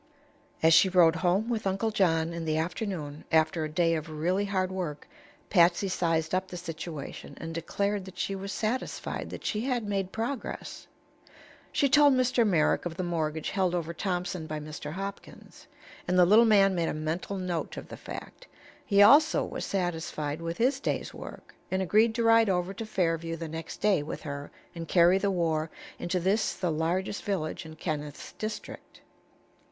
As she rode home with Uncle John in the afternoon, after a day of really hard work, Patsy sized up the situation and declared that she was satisfied that she had made progress. She told Mr. Merrick of the mortgage held over Thompson by Mr. Hopkins, and the little man made a mental note of the fact. He also was satisfied with his day's work, and agreed to ride over to Fairview the next day with her and carry the war into this, the largest village in Kenneth's district.